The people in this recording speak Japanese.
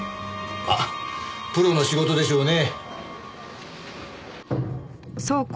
まプロの仕事でしょうね。